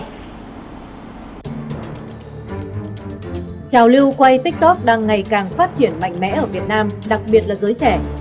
chào lưu quay tiktok đang ngày càng phát triển mạnh mẽ ở việt nam đặc biệt là giới trẻ